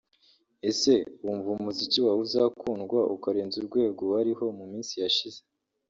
Ese wumva umuziki wawe uzakundwa ukarenza urwego wariho mu minsi yashize